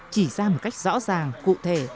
chỉ ra một cách rõ ràng cụ thể